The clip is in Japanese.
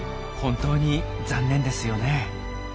本当に残念ですよね。